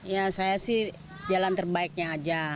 ya saya sih jalan terbaiknya aja